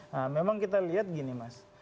nah memang kita lihat gini mas